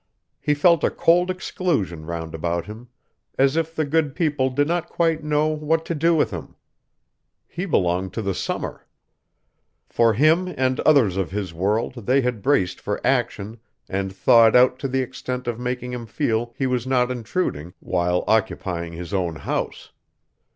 He felt a cold exclusion round about him, as if the good people did not quite know what to do with him. He belonged to the summer. For him and others of his world they had braced for action and thawed out to the extent of making him feel he was not intruding, while occupying his own house.